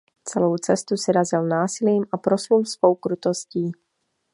Celou cestu si razil násilím a proslul svou krutostí.